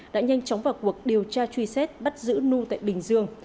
đã nhanh chóng vào cuộc điều tra truy xét bắt giữ nu tại bình dương